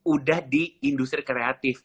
udah di industri kreatif